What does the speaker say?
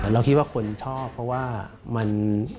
เราคิดว่าคนชอบเพราะว่ามัน